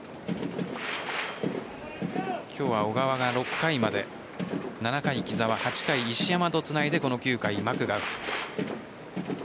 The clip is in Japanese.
今日は小川が６回まで７回、木澤８回、石山とつないでこの９回、マクガフ。